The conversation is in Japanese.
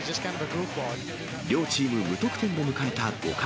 両チーム無得点で迎えた５回。